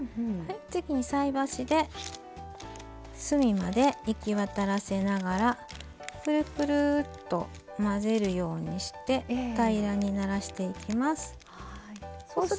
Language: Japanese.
次に菜箸で隅まで行き渡らせながらくるくるっと混ぜるようにして平らにならしていきます。